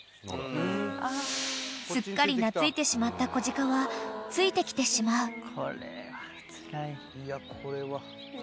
［すっかり懐いてしまった小鹿はついてきてしまう］